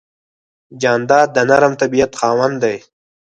جانداد د نرم طبیعت خاوند دی.